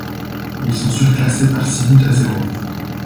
Ils sont surclassés par six buts à zéro.